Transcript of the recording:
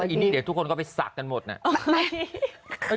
อันนี้เดี๋ยวทุกคนก็ไปสักกันหมดเนี่ย